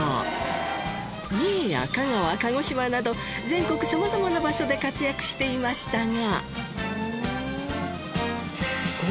三重や香川鹿児島など全国様々な場所で活躍していましたが。